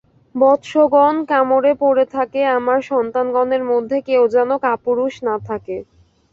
বৎসগণ, কামড়ে পড়ে থাক, আমার সন্তানগণের মধ্যে কেউ যেন কাপুরুষ না থাকে।